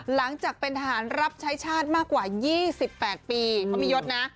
หลังจากเป็นทหารรับใช้ชาติมากกว่า๒๘ปีเขามียศนะ